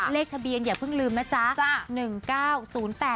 เลขทะเบียนอย่าเพิ่งลืมนะจ๊ะ